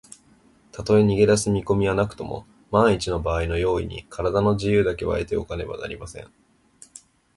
たとえ逃げだす見こみはなくとも、まんいちのばあいの用意に、からだの自由だけは得ておかねばなりません。